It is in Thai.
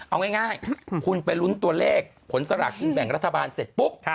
เอาง่ายคุณไปลุ้นตัวเลขผลสลากกินแบ่งรัฐบาลเสร็จปุ๊บ